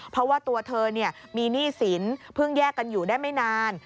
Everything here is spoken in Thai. เพราะว่าตัวเธอมีหนี้สินเพิ่งแยกกันอยู่ได้ไม่นาน